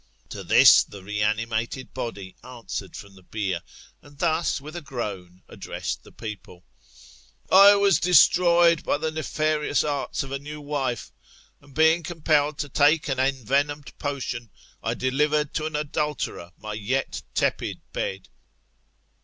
To this [the reanimated body] answered from the bier, and thus, with a groan, addressed the people: I was destroyed by the nefarious arts of a new wife, and being compelled to take an envenomed potion, I delivered to an adulterer my yet tepid bed.